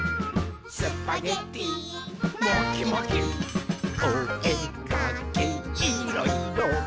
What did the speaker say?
「スパゲティ！まきまき」「おえかきいろ・いろ」